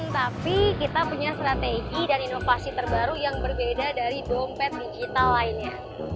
tapi kita punya strategi dan inovasi terbaru yang berbeda dari dompet digital lainnya